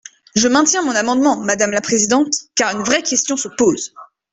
Je maintiens mon amendement, madame la présidente, car une vraie question se pose.